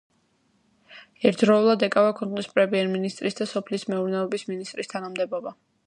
ერთდროულად ეკავა ქვეყნის პრემიერ-მინისტრისა და სოფლის მეურნეობის მინისტრის თანამდებობა.